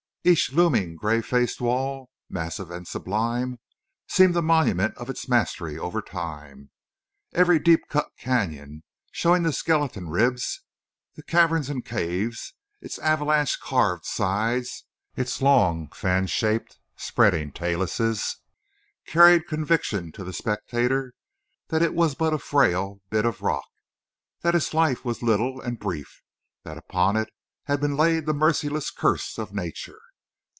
Every looming gray faced wall, massive and sublime, seemed a monument of its mastery over time. Every deep cut canyon, showing the skeleton ribs, the caverns and caves, its avalanche carved slides, its long, fan shaped, spreading taluses, carried conviction to the spectator that it was but a frail bit of rock, that its life was little and brief, that upon it had been laid the merciless curse of nature.